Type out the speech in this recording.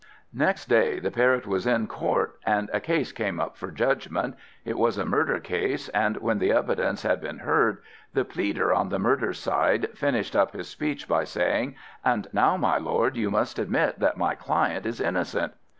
Next day, the Parrot was in Court, and a case came up for judgment. It was a murder case, and when the evidence had been heard, the pleader on the murderer's side finished up his speech by saying, "And now, my Lord, you must admit that my client is innocent."